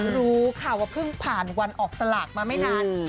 รู้ค่ะว่าเพิ่งผ่านวันออกสลากมาไม่นาน